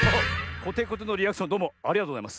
コテコテのリアクションどうもありがとうございます。